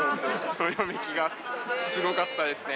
どよめきがすごかったですね。